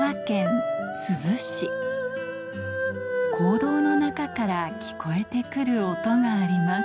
坑道の中から聞こえて来る音があります